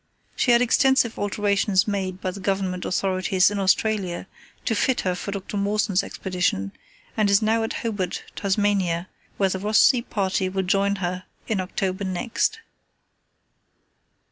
She had extensive alterations made by the Government authorities in Australia to fit her for Dr. Mawson's Expedition, and is now at Hobart, Tasmania, where the Ross Sea party will join her in October next."